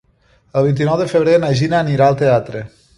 El vint-i-nou de febrer na Gina anirà al teatre.